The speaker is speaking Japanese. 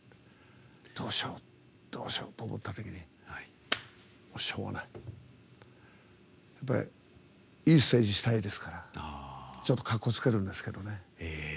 どうしよう、どうしようって思ったときにしょうがない！いいステージしたいですからちょっとかっこつけるんですけどね。